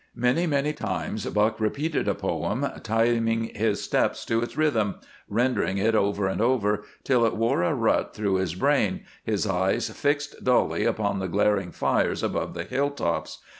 Many, many times Buck repeated a poem, timing his steps to its rhythm, rendering it over and over till it wore a rut through his brain, his eyes fixed dully upon the glaring fires above the hilltops.